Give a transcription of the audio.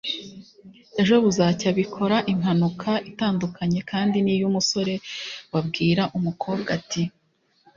ejo buzacya bikora impanuka ; itandukanye kandi n'iy'umusore wabwira umukobwa ati